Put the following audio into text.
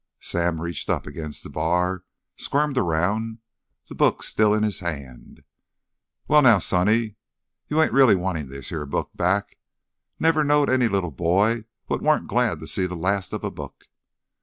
Sam reached up against the bar, squirmed around, the book still in his hand. "Wal, now, sonny, you ain't really wantin' this here book back? Never knowed any li'l boy what warn't glad to see th' last o' a book.